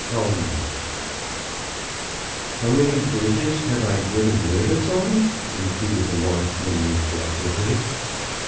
Tolman "How many bridges have I driven rivets on?" repeated the watchman, reflectively.